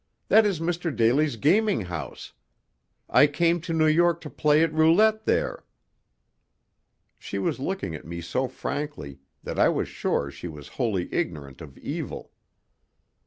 That is Mr. Daly's gaming house. I came to New York to play at roulette there." She was looking at me so frankly that I was sure she was wholly ignorant of evil.